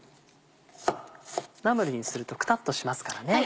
ナムルにするとくたっとしますからね。